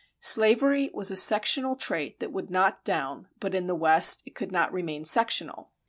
Slavery was a sectional trait that would not down, but in the West it could not remain sectional.